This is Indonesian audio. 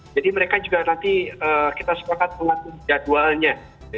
jadi mereka juga nanti kita sepakat mengatur jadwalnya